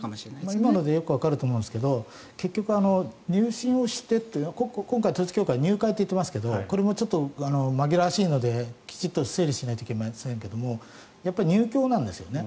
今のでよくわかると思うんですけど統一教会は入信と言っていますがこれもちょっと紛らわしいのできちんと整理しないといけませんが入教なんですよね。